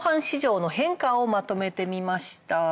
市場の変化をまとめてみました。